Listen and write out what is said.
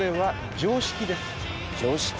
常識？